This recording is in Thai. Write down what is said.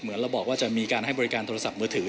เราบอกว่าจะมีการให้บริการโทรศัพท์มือถือ